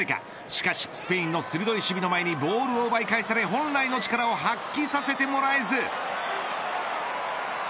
しかし、スペインの鋭い守備の前にボールを奪い返され本来の力を発揮させてもらえず。